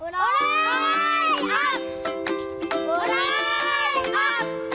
อุลายอับอุลายอับ